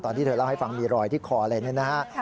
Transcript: ที่เธอเล่าให้ฟังมีรอยที่คออะไรนี่นะฮะ